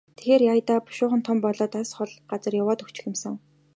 Тэгэхээр яая даа, бушуухан том болоод л алс хол газар яваад өгөх юм сан.